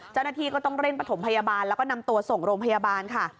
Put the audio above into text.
เจ้าหน้าที่ก็ต้องเร่งประถมพยาบาลแล้วก็นำตัวส่งโรงพยาบาลค่ะ